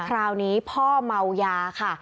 คราวนี้พ่อเมายาค่ะ